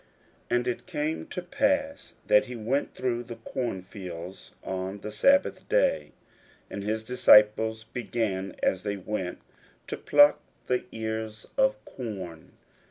41:002:023 And it came to pass, that he went through the corn fields on the sabbath day; and his disciples began, as they went, to pluck the ears of corn.